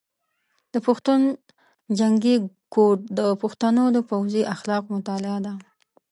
د پښتون جنګي کوډ د پښتنو د پوځي اخلاقو مطالعه ده.